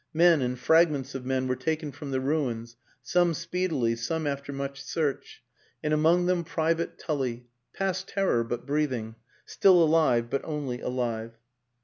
Men and fragments of men were taken from the ruins, some speedily, some after much search; and among them Private Tully, past terror, but breathing, still alive but only alive.